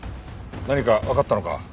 何かわかったのか？